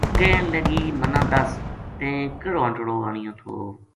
کہن لگی منا دس تیں کِہڑو انٹڑو آنیو تھو